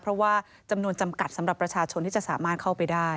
เพราะว่าจำนวนจำกัดสำหรับประชาชนที่จะสามารถเข้าไปได้